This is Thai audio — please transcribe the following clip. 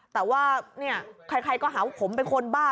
แต่ว่าเนี่ยใครก็หาว่าผมเป็นคนบ้า